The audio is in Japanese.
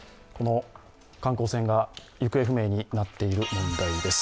観光船が行方不明になっている問題です。